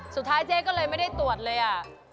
สุดท้ายเจ๊ก็เลยไม่ได้ตรวจเลยอ่ะ